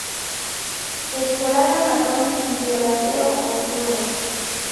Esporada marrón violáceo oscuro.